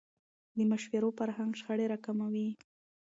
د مشورو فرهنګ شخړې راکموي